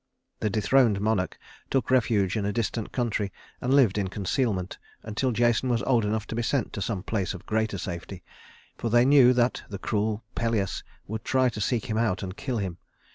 The dethroned monarch took refuge in a distant country, and lived in concealment until Jason was old enough to be sent to some place of greater safety, for they knew that the cruel Pelias would try to seek him out and kill him.